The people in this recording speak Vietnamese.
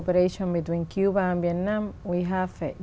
trong một chiếc tàu